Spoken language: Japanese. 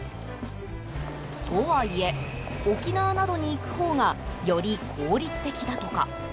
とはいえ沖縄などに行くほうがより効率的だとか。